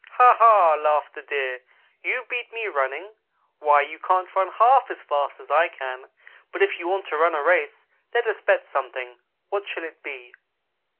"'Ha ha!' laughed the Deer 'you beat me running? Why, you can't run half as fast as I can, but if you want to run a race let us bet something. What shall it be?'